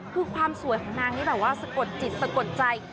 คือความสวยของนางนี่แบบว่าสะกดจิตสะกดใจ